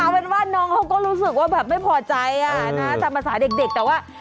มันว่าน้องเขาก็รู้สึกว่าแบบไม่พอใจสำหรับสาหรับเด็กแต่ว่า